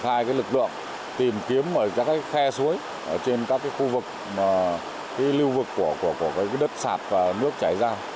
thứ hai là tổ chức lực lượng tìm kiếm ở các khe suối trên các khu vực lưu vực của đất sạt và nước chảy ra